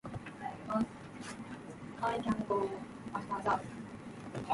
The newspaper focuses mainly on crime, scandals and attention-grabbing headlines.